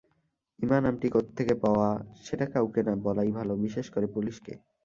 ইমা নামটি কোথেকে পাওয়া, সেটা কাউকে না বলাই ভালো, বিশেষ করে পুলিশকে।